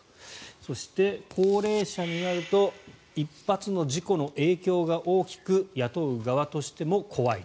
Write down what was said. そして、高齢者になると一発の事故の影響が大きく雇う側としても怖い。